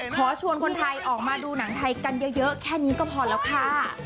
ขอชวนคนไทยออกมาดูหนังไทยกันเยอะแค่นี้ก็พอแล้วค่ะ